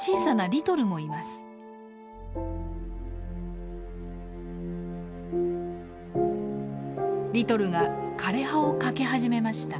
リトルが枯れ葉をかけ始めました。